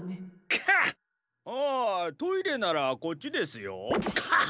あートイレならこっちですよ。か！